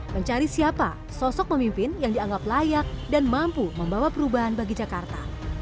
mencari siapa sosok pemimpin yang dianggap layak dan mampu membawa perubahan bagi jakarta